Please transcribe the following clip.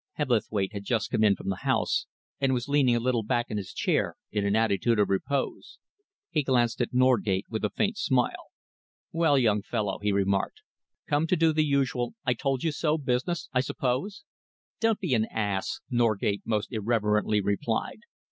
Hebblethwaite had just come in from the House and was leaning a little back in his chair, in an attitude of repose. He glanced at Norgate with a faint smile. "Well, young fellow," he remarked, "come to do the usual 'I told you so' business, I suppose?" "Don't be an ass!" Norgate most irreverently replied.